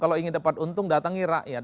kalau ingin dapat untung datangi rakyat